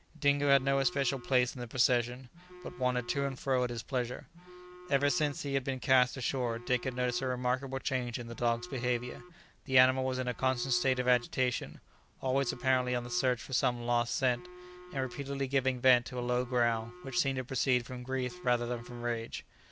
Dingo had no especial place in the procession, but wandered to and fro at his pleasure. Ever since he had been cast ashore Dick had noticed a remarkable change in the dog's behaviour; the animal was in a constant state of agitation, always apparently on the search for some lost scent, and repeatedly giving vent to a low growl, which seemed to proceed from grief rather than from rage.